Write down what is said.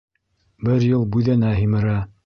Бер йыл бүҙәнә һимерә.